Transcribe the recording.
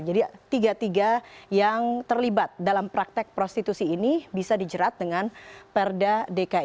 tiga tiga yang terlibat dalam praktek prostitusi ini bisa dijerat dengan perda dki